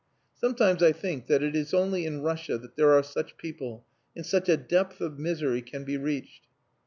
Sometimes I think that it is only in Russia that there are such people and such a depth of misery can be reached.